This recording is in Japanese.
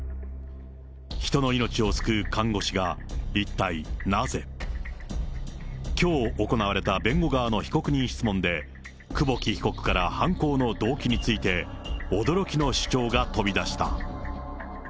人に命を救う看護師が一体なぜ？きょう行われた弁護側の被告人質問で、久保木被告から犯行の動機について、驚きの主張が飛び出した。